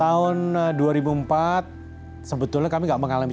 tahun dua ribu empat sebetulnya kami nggak mengalami